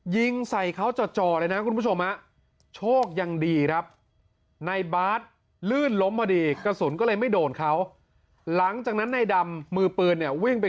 ยิงใส่เขาจะจอดเลยนะกุโนโชว่มาหาโชคยังดีม๊าในบ๊าซลื่นล้มหว่ะดีกระสุนก็เลยไม่โดนเขาหลังจากนั้นในดำมือปืนเนี่ยวิ่งไป